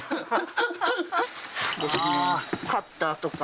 カッターとか。